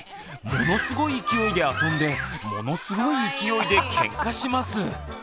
ものすごい勢いで遊んでものすごい勢いでケンカします。